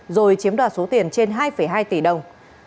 rồi chiếm đoạt số tiền trên hai hai tỷ đồng